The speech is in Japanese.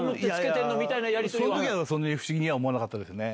その時はそんなに不思議には思わなかったですね。